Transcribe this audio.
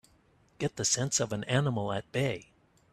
Get the sense of an animal at bay!